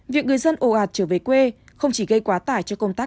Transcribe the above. việc người dân ồ ạt trở về quê không chỉ gây quá tải cho công tác